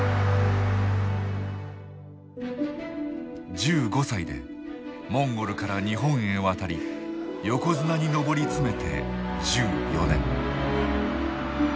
１５歳でモンゴルから日本へ渡り横綱に上り詰めて１４年。